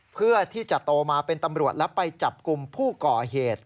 เพื่อที่จะโตมาเป็นตำรวจแล้วไปจับกลุ่มผู้ก่อเหตุ